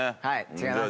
違います。